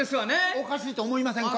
おかしいと思いませんか？